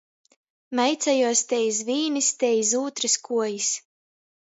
Meicejuos te iz vīnys, te iz ūtrys kuojis.